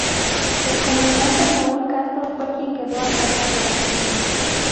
El Comandante Raúl Castro fue quien quedó a cargo de la misión.